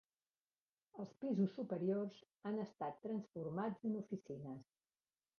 Els pisos superiors han estat transformats en oficines.